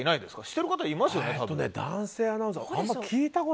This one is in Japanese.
してる方いますよね。